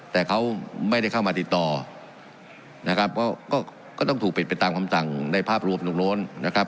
แต่เขาไม่ได้เข้ามาติดต่อนะครับก็ต้องถูกปิดไปตามคำสั่งในภาพรวมตรงโน้นนะครับ